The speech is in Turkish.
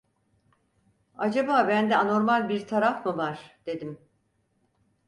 Acaba bende anormal bir taraf mı var, dedim.